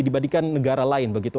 dibandingkan negara lain begitu